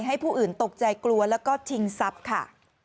ให้ผู้อื่นตกใจกลัวแล้วก็ชิงทรัพย์ค่ะ